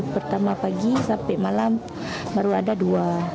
pertama pagi sampai malam baru ada dua